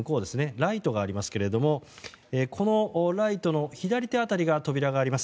ライトがありますけどもこのライトの左手辺りに扉があります。